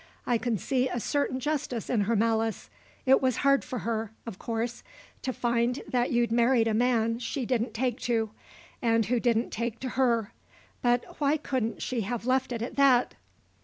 I can see a certain justice in her malice. It was hard for her, of course, to find that you'd married a man she didn't take to and who didn't take to her; but why couldn't she have left it at that?"